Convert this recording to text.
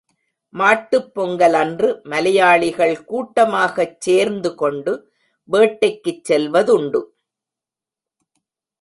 மாட்டுப் பொங்கலன்று மலையாளிகள் கூட்டமாகச் சேர்ந்து கொண்டு வேட்டைக்குச் செல்வதுண்டு.